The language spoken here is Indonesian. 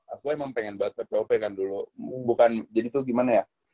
aku emang pengen buat ppop kan dulu bukan jadi tuh gimana ya